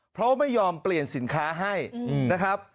เพราะไม่ยอมเปลี่ยนสินค้าให้นะครับ